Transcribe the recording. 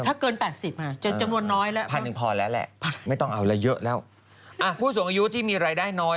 แต่นี่เขาไม่มีบอกนะว่า๑๐๐๐หนึ่งจะได้เพิ่ม